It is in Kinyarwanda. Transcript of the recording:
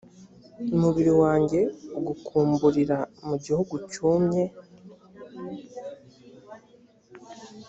umubiri wanjye ugukumburira mu gihugu cyumye